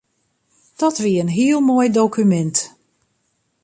Dat wie in heel moai dokumint.